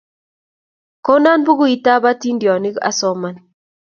Konon pukitab atindyonik asoman.